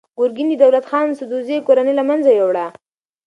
ګورګین د دولت خان سدوزي کورنۍ له منځه یووړه.